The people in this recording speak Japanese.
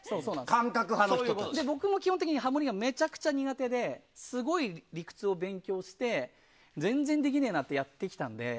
僕も基本的にハモりがめちゃくちゃ苦手ですごい理屈を勉強して全然できねえなってやってきたんで。